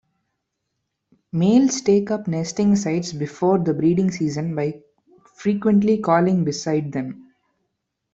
Males take up nesting sites before the breeding season, by frequently calling beside them.